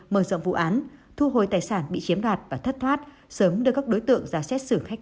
mở rộng vụ án thu hồi tài sản bị chiếm đoạt và thất thoát sớm đưa các đối tượng ra xét xử khách